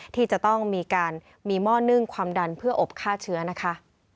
ที่จะต้องมีการมีหม้อนึ่งความดันเพื่ออบฆ่าเชื้อนะคะ